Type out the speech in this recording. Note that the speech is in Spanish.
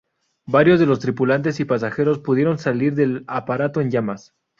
Varios de los tripulantes y pasajeros pudieron salir del aparato en llamas.